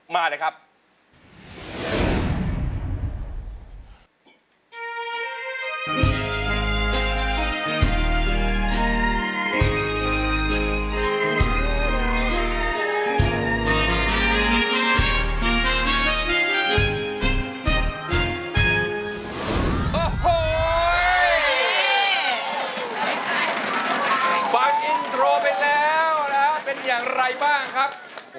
มาเลยครับ